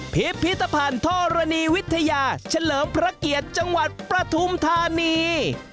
พิพิธภัณฑ์ธรณีวิทยาเฉลิมพระเกียรติจังหวัดปฐุมธานี